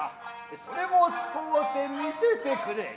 それを使うて見せてくれい。